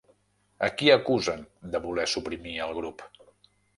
A qui acusen de voler suprimir el grup?